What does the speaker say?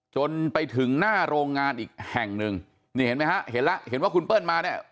จนไปถึงหน้าโรงงานอีกแห่งหนึ่งนี่เห็นไหมฮะเห็นแล้วเห็นว่าคุณเปิ้ลมาเนี่ย